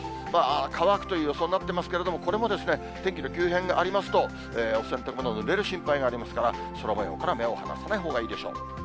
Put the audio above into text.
乾くという予想になっていますけれども、これも天気の急変がありますと、お洗濯物ぬれる心配がありますから、空もようから目を離さないほうがいいでしょう。